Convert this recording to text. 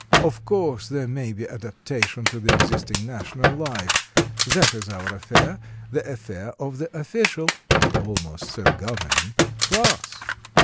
Of course there may be adaptation to the existing national life; that is our affair the affair of the official (he almost said "governing") class.